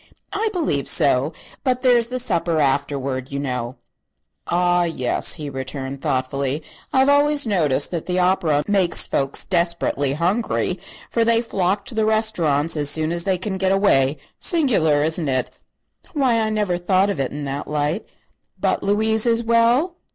"I believe so; but there is the supper, afterward, you know." "Ah, yes," he returned, thoughtfully. "I've always noticed that the opera makes folks desperately hungry, for they flock to the restaurants as soon as they can get away. Singular, isn't it?" "Why, I never thought of it in that light." "But Louise is well?"